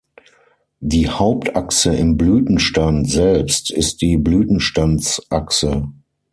Die Hauptachse im Blütenstand selbst ist die Blütenstandsachse.